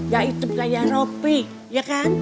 gak hidup kayak robby ya kan